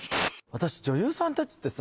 私女優さん達ってさ